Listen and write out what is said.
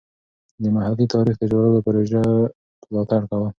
د محلي تاریخ د ژغورلو پروژو ملاتړ کول.